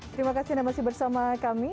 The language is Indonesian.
terima kasih anda masih bersama kami